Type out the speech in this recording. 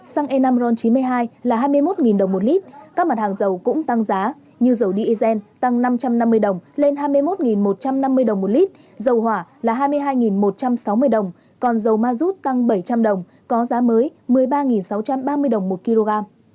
xăng e năm ron chín mươi hai là hai mươi một đồng một lít các mặt hàng dầu cũng tăng giá như dầu diesel tăng năm trăm năm mươi đồng lên hai mươi một một trăm năm mươi đồng một lít dầu hỏa là hai mươi hai một trăm sáu mươi đồng còn dầu ma rút tăng bảy trăm linh đồng có giá mới một mươi ba sáu trăm ba mươi đồng một kg